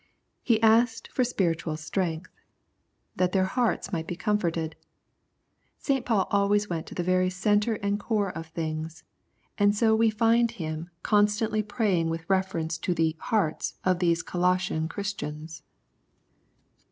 He asked for spiritual strength :" That their hearts might be comforted." St. Paul always went to the very centre and core of things, and so we find him constantly 80 Conflict and Comfort praying with reference to the " hearts " of these Colossian Christians.